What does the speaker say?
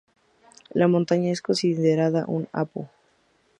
La montaña es considera un apu.